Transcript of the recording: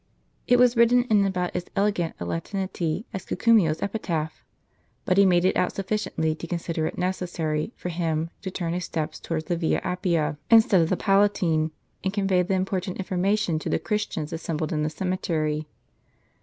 It was written in about as elegant a latinity as Cucumio's epitaph, but he made it out sufficiently to consider it necessary for him to turn his steps towards the Via Appia, instead of the Palatine, and convey the important information to the Christians assembled in the cemetery.